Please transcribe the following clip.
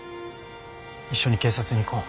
一緒に警察に行こう。